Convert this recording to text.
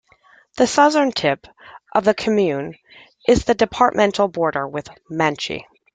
The southern tip of the commune is the departmental border with Manche.